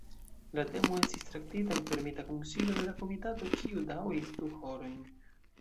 La temo estis traktita en fermita kunsido de la komitato, kiu daŭris du horojn.